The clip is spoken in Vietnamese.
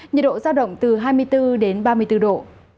nhiệt độ giao động từ hai mươi bốn đến ba mươi bốn độ